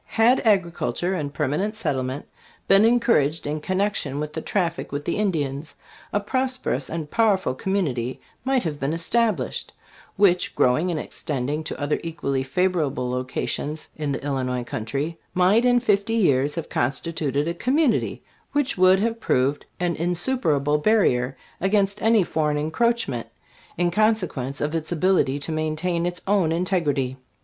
Had agriculture and permanent settlement been encouraged in connection with the traffic with the Indians, a prosperous and powerful community might have been established, which, growing and extending to other equally favor able localities in the Illinois country, might in fifty years have constituted a community which would have proved an insuperable barrier against any foreign encroachment, in consequence of its ability to maintain its own in tegrity.